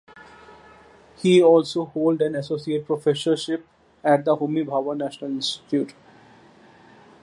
He also holds an associate professorship at the Homi Bhabha National Institute.